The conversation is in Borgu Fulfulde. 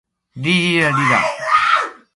Manga laatino laamu leydi benin aranneejo.